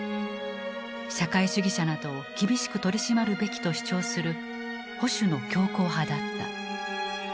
社会主義者などを厳しく取り締まるべきと主張する保守の強硬派だった。